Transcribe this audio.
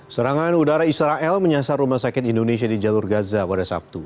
serangan udara israel menyasar rumah sakit indonesia di jalur gaza pada sabtu